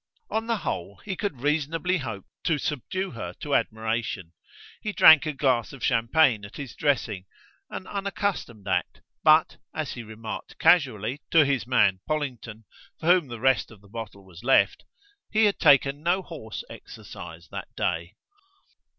On the whole, he could reasonably hope to subdue her to admiration. He drank a glass of champagne at his dressing; an unaccustomed act, but, as he remarked casually to his man Pollington, for whom the rest of the bottle was left, he had taken no horse exercise that day.